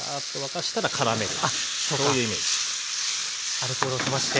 アルコールを飛ばして。